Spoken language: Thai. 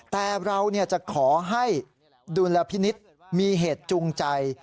แต่เราจะขอให้ดุลพินิษฐ์มีเหตุจูงใจ